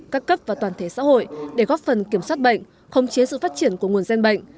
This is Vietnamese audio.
các cấp và toàn thể xã hội để góp phần kiểm soát bệnh khống chế sự phát triển của nguồn gen bệnh